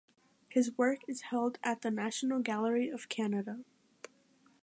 His work is held at the National Gallery of Canada.